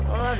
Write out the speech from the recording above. oh dari tadi